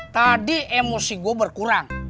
tadi emosi gua berkurang